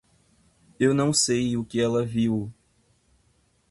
Eu não sei o que ela viu?